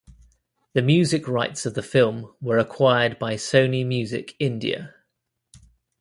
The music rights of the film were acquired by Sony Music India.